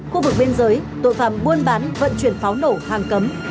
khu vực bên dưới tội phạm buôn bán vận chuyển pháo nổ hàng cấm